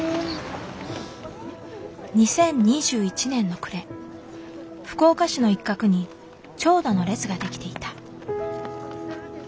２０２１年の暮れ福岡市の一角に長蛇の列ができていた。